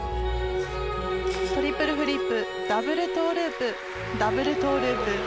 トリプルフリップダブルトウループダブルトウループ。